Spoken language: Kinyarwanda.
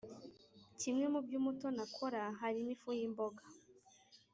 kimwe mubyo umutoni akora harimo ifu y’imboga.